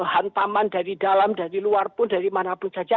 hantaman dari dalam dari luar pun dari manapun saja